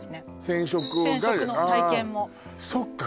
染色が染色の体験もそっか